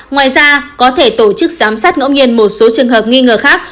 ngoài ra có thể tổ chức giám sát ngẫu nhiên một số trường hợp nghi ngờ khác